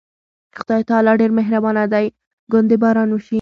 خدای تعالی ډېر مهربانه دی، ګوندې باران وشي.